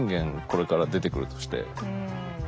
これから出てくるとして。